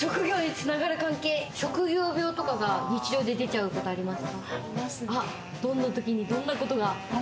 職業病とかが日常に出たことありますか？